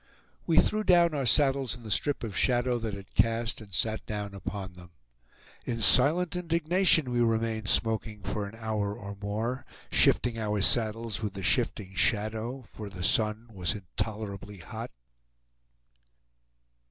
We threw down our saddles in the strip of shadow that it cast, and sat down upon them. In silent indignation we remained smoking for an hour or more, shifting our saddles with the shifting shadow, for the sun was intolerably hot.